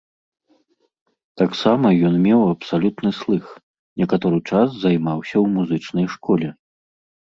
Таксама ён меў абсалютны слых, некаторы час займаўся ў музычнай школе.